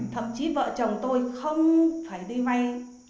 thậm chí vợ chồng tôi không phải đi vay